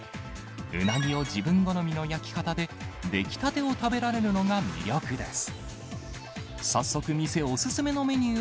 うなぎを自分好みの焼き方で出来たてを食べられるのが魅力です。